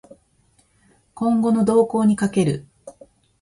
今後の動向に賭ける